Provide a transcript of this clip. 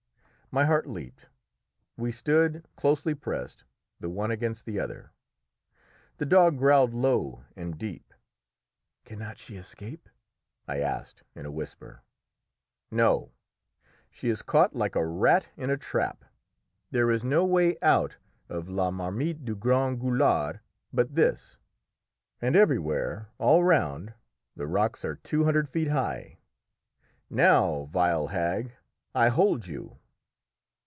My heart leaped; we stood, closely pressed, the one against the other. The dog growled low and deep. "Cannot she escape?" I asked in a whisper. "No; she is caught like a rat in a trap. There is no way out of La Marmite du Grand Gueulard but this, and everywhere all round the rocks are two hundred feet high. Now, vile hag, I hold you!"